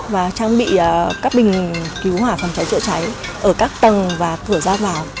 và trang bị các bình cứu hỏa phòng cháy trễ cháy ở các tầng và cửa giao vào